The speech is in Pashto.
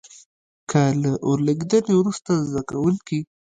که له اور لګېدنې وروسته زده کوونکي.